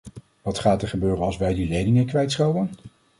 Wat gaat er gebeuren als wij die leningen kwijtschelden?